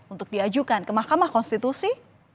untuk diajukan ke mahkamah konstitusi